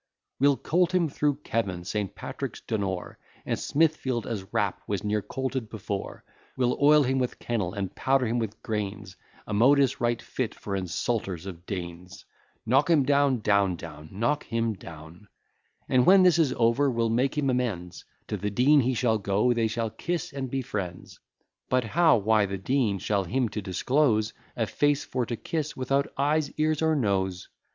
We'll colt him through Kevan, St. Patrick's, Donore, And Smithfield, as rap was ne'er colted before; We'll oil him with kennel, and powder him with grains, A modus right fit for insulters of deans. Knock him down, etc. And, when this is over, we'll make him amends, To the Dean he shall go; they shall kiss and be friends: But how? Why, the Dean shall to him disclose A face for to kiss, without eyes, ears, or nose.